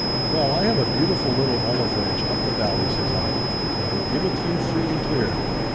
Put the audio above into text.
"Well, I have a beautiful little olive ranch up the valley," says I, "and I will give it to you free and clear.